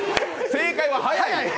正解は速い！